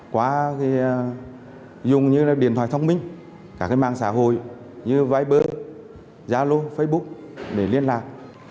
qua dùng điện thoại thông minh mạng xã hội như viper gia lô facebook để liên lạc